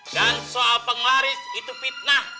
dan soal penglaris itu fitnah